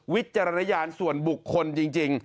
วิจารณญาณส่วนบุคคลจริง